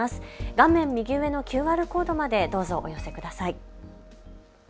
画面右上のＱＲコードまでどうぞお寄せください。